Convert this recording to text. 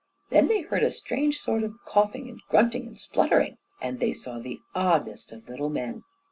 Then they heard a strange sort of coughing and grunting and spluttering, and they saw the oddest of little men.